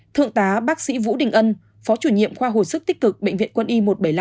thượng tá bác sĩ vũ đình ân phó chủ nhiệm khoa hồi sức tích cực bệnh viện quân y một trăm bảy mươi năm